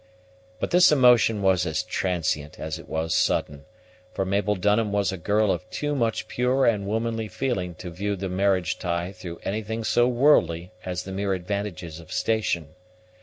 But this emotion was as transient as it was sudden; for Mabel Dunham was a girl of too much pure and womanly feeling to view the marriage tie through anything so worldly as the mere advantages of station.